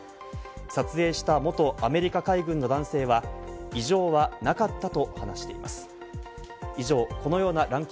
撮影した元アメリカ海軍の男性は、異常はなかったと話しています。